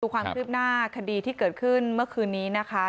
ความคืบหน้าคดีที่เกิดขึ้นเมื่อคืนนี้นะคะ